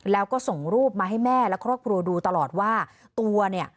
แล้วก็ส่งรูปมาให้แม่และครอบครัวดูตลอดว่าตัวเนี่ย